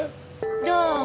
どうも。